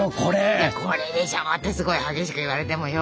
「これでしょ」ってすごい激しく言われてもよ。